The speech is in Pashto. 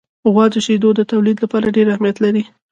غوا د شیدو د تولید لپاره ډېر اهمیت لري.